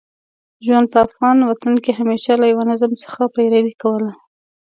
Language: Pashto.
ژوند په افغان وطن کې همېشه له یوه نظم څخه پیروي کوله.